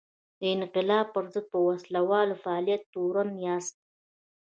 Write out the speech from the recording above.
د انقلاب پر ضد په وسله وال فعالیت تورن یاست.